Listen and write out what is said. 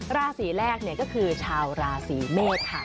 ราศีแรกก็คือชาวราศีเมษค่ะ